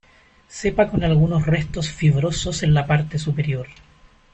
Cepa con algunos restos fibrosos en la parte superior.